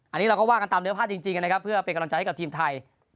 อันนี้เราก็ว่ากันตามเนื้อพลาดจริงนะครับเพื่อเป็นกำลังใจให้กับทีมไทย